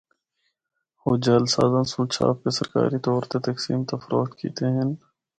او جعل سازاں سُنڑ چھاپ کے سرکاری طور تے تقسیم تے فروخت کیتے ہن۔